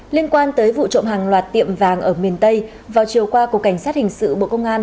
liên quan tới vụ trộm hàng loạt tiệm vàng ở miền tây vào chiều qua cục cảnh sát hình sự bộ công an